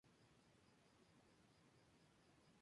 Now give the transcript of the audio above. Su cabecera es la ciudad de Puebla de Zaragoza.